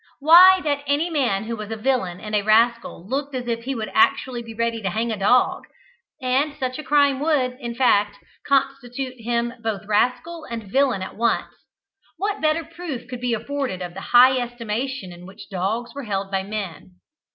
Why, that any man who was a villain and a rascal looked as if he would actually be ready to hang a dog; and such a crime would, in fact, constitute him both rascal and villain at once. What better proof could be afforded of the high estimation in which dogs were held by men?